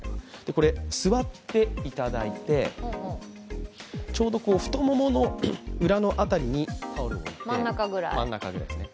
これ座っていただいて、ちょうど太ももの裏の辺りにタオルを置いて、真ん中くらいですね。